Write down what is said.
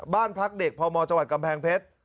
บ้านพักเด็กพมจังหวัดกำแพงเพชร